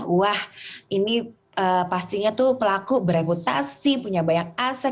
wah ini pastinya tuh pelaku berebutasi punya banyak aset